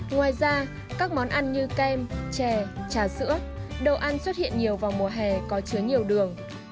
ngoài ra các món ăn như kem chè trà sữa đồ ăn xuất hiện nhiều vào mùa hè có chứa nhiều đường